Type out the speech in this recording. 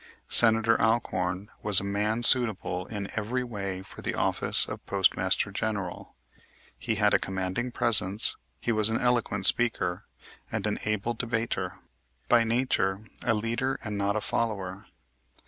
Senator Alcorn was a man suitable in every way for the office of Postmaster General. He had a commanding presence, he was an eloquent speaker, and an able debater, by nature a leader and not a follower.